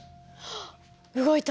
動いた。